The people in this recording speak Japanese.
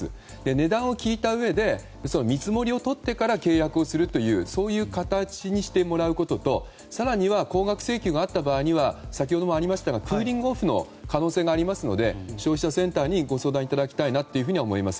値段を聞いたうえで見積もりを取ってから契約をする形にしてもらうことと更には高額請求があった場合には先ほどもありましたがクーリングオフの可能性がありますので、消費者センターにご相談いただきたいと思います。